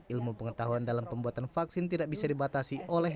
ilmu pengetahuan dalam pembuatan vaksin tidak bisa dibatasi oleh